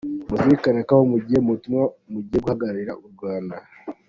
Muzirikane ko aho mugiye mu butumwa mugiye guhagararira u Rwanda.